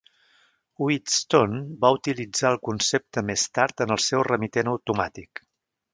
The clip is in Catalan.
Wheatstone va utilitzar el concepte més tard en el seu remitent automàtic.